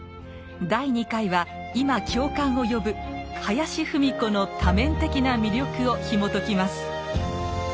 第２回は今共感を呼ぶ林芙美子の多面的な魅力をひもときます。